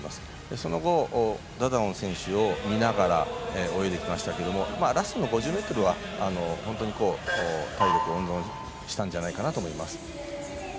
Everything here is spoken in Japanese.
その後、ダダオン選手を見ながら泳いでいましたからラストの５０ｍは本当に体力を温存したんじゃないかなと思います。